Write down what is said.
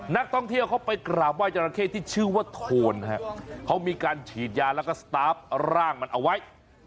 นักท่องเที่ยวเขาไปกราบไห้จราเข้ที่ชื่อว่าโทนฮะเขามีการฉีดยาแล้วก็สตาร์ฟร่างมันเอาไว้